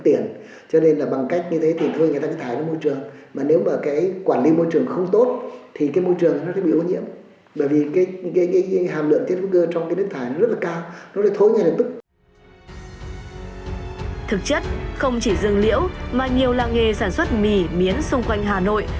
thực chất không chỉ rừng liễu mà nhiều làng nghề sản xuất mì miến xung quanh hà nội